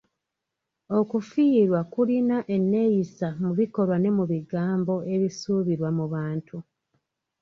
Okufiirwa kulina enneeyisa mu bikolwa ne mu bigambo ebisuubirwa mu bantu.